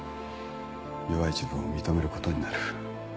弱い自分を認めることになる。